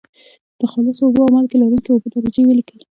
د خالصو اوبو او مالګې لرونکي اوبو درجې ولیکئ.